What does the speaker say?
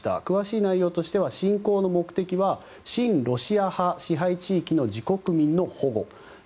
詳しい内容としては侵攻の目的は親ロシア派支配地域の自国民の保護。